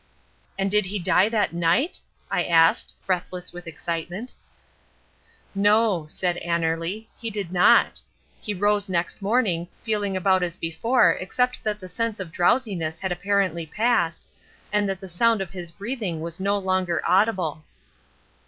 "And did he die that night?" I asked, breathless with excitement. "No," said Annerly, "he did not. He rose next morning feeling about as before except that the sense of drowsiness had apparently passed, and that the sound of his breathing was no longer audible."